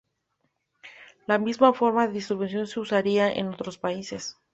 La misma forma de distribución se usaría en otros países.